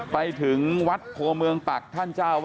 ไปถึงวัดโพเมืองปักท่านเจ้าวั